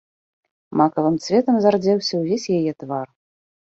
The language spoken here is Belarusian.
Макавым цветам зардзеўся ўвесь яе твар.